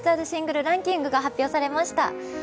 シングルランキングが発表されました。